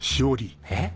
えっ？